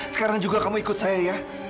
sekarang juga kamu ikut saya ya